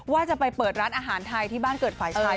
ว่าจะไปเปิดร้านอาหารไทยที่บ้านเกิดฝ่ายชาย